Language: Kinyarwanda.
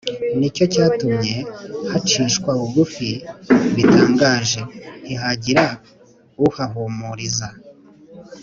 Ni cyo cyatumye hacishwa bugufi bitangaje, Ntihagira uhahumuriza.